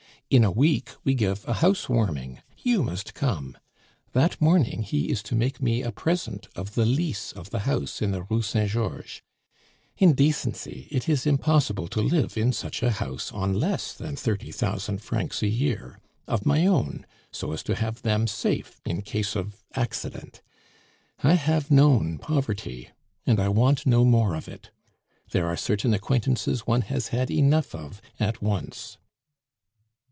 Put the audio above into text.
In a week we give a house warming; you must come. That morning he is to make me a present of the lease of the house in the Rue Saint Georges. In decency, it is impossible to live in such a house on less than thirty thousand francs a year of my own, so as to have them safe in case of accident. I have known poverty, and I want no more of it. There are certain acquaintances one has had enough of at once."